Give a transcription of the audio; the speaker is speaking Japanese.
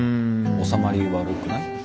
収まり悪くない？